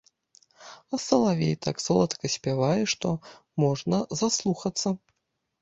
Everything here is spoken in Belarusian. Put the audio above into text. А салавей так соладка спявае, што можна заслухацца.